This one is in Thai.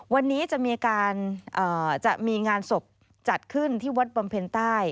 วันนี้จะมีการจะมีงานศพจัดขึ้นที่วัดบำเพ็ญใต้